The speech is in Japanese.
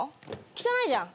汚いじゃん。